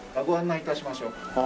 ご案内致しましょう。